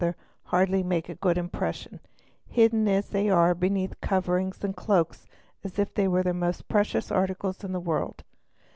CHEATING AND FRAUD hardly make a good impression, hidden as they are beneath coverings and cloaks as if they were the most precious articles in the world.